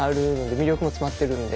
魅力も詰まってるので。